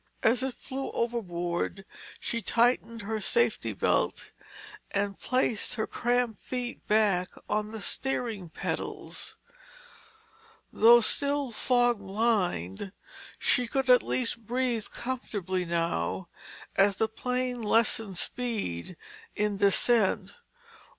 As it flew overboard, she tightened her safety belt and placed her cramped feet back on the steering pedals. Though still fog blind, she could at least breathe comfortably now as the plane lessened speed in descent.